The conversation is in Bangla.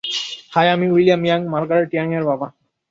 হাই, আমি উইলিয়াম ইয়াং, মার্গারেট ইয়াং-এর বাবা।